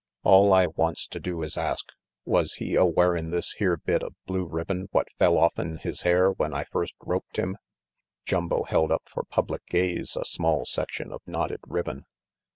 All I wants to do is ask, was he a wearin' this here bit of blue ribbon what fell offen his hair when I first roped him?" Jumbo held up for public gaze a small section of knotted ribbon.